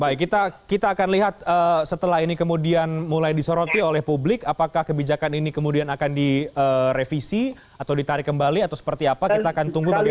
baik kita akan lihat setelah ini kemudian mulai disoroti oleh publik apakah kebijakan ini kemudian akan direvisi atau ditarik kembali atau seperti apa kita akan tunggu bagaimana